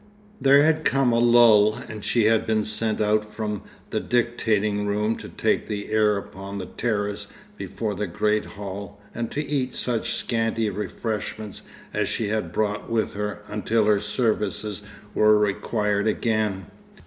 There had come a lull, and she had been sent out from the dictating room to take the air upon the terrace before the great hall and to eat such scanty refreshment as she had brought with her until her services were required again.